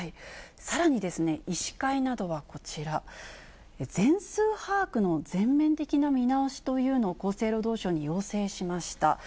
さらに、医師会などはこちら、全数把握の全面的な見直しというのを、厚生労働省に要請しました。